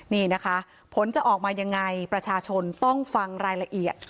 นี่นะคะผลจะออกมายังไงประชาชนต้องฟังรายละเอียด